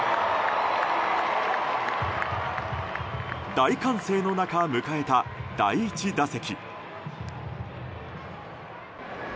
大歓声の中、迎えた第１打席。